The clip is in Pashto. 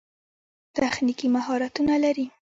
تخنیکي مهارتونه لري.